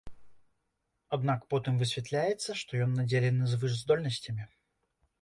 Аднак потым высвятляецца, што ён надзелены звышздольнасцямі.